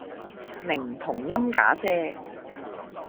寧同音假借